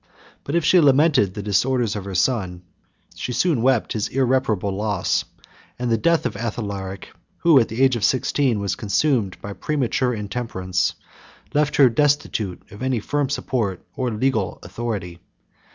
But if she had lamented the disorders of her son she soon wept his irreparable loss; and the death of Athalaric, who, at the age of sixteen, was consumed by premature intemperance, left her destitute of any firm support or legal authority.